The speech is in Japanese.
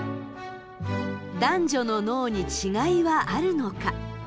男女の脳に違いはあるのか。